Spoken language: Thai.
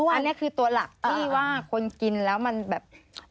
อันนี้คือตัวหลักที่ว่าคนกินแล้วมันแบบ